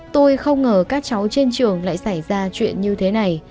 tôi không ngờ các cháu trên trường lại xảy ra chuyện như thế này